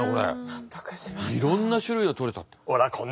いろんな種類が採れたって。